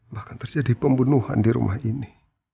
bahkan terjadi pembunuhan di rumah ini